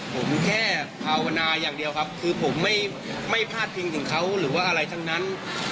ผมแค่ภาวนาอย่างเดียวครับคือผมไม่พาดพิงถึงเขาหรือว่าอะไรทั้งนั้น